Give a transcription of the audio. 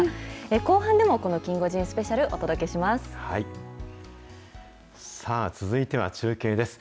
後半でもこのキンゴジンスペシャル、お届けします。